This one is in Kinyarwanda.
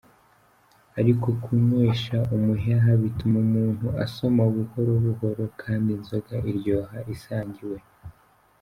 Ariko kunywesha umuheha bituma umuntu asoma buhoro buhoro, kandi inzoga iryoha isangiwe.